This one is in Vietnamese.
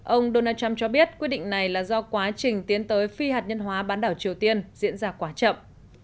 ông donald trump cho biết quyết định này là do quá trình tiến tới phi hạt nhân hóa bán đảo triều tiên diễn ra quá chậm